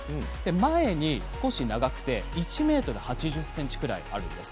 前に少し長くて１ｍ８０ｃｍくらいあるんです。